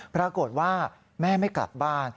ปรากฏว่าแม่ไม่กลับบ้าน